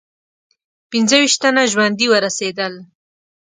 پنځه ویشت تنه ژوندي ورسېدل.